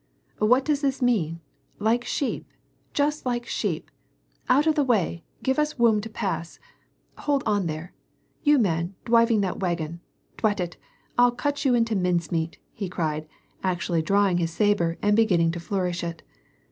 " What does this mean ? Like sheep ! Just like sheep ! Out of the way !— give us woom to pass ! Hold on there, you man dwiving that wagon ! dwat it ! I'll cut you into mincemeat," he cried, actually drawing his sabre and beginning to flourish it.